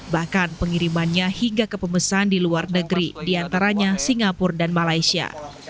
bahkan pengirimannya hingga ke pemesan di luar negeri diantaranya singapura dan malaysia